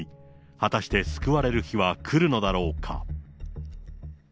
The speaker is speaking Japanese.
果たして救われる日はくるのだろうか。